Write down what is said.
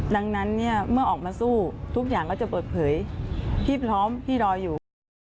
ดังนั้นเนี่ยเมื่อออกมาสู้ทุกอย่างก็จะเปิดเผยพี่พร้อมพี่รออยู่